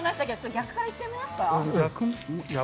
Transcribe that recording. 逆からいってみますか？